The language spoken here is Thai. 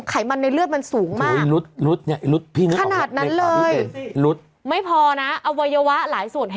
ไขมันในเลือดมันสูงมากขนาดนั้นเลยไม่พอนะอวัยวะหลายส่วน